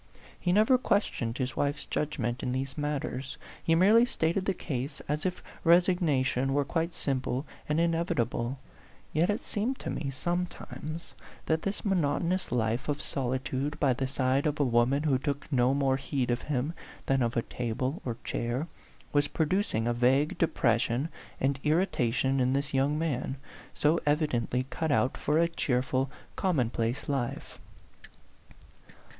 He never questioned his wife's judgment in A PHANTOM LOVER. 83 these matters. He merely stated the case as if resignation were quite simple and in evitable ; yet it seemed to me, sometimes, that this monotonous life of solitude, by the side of a woman who took no more heed of him than of a table or chair, was producing a vague depression and irritation in this young man, so evidently cut out for a cheerful, com monplace life.